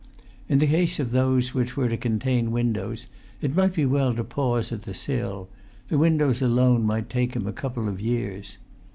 In the case of those which were to contain windows, it might be well to pause at the sill; the windows alone might take him a couple of years.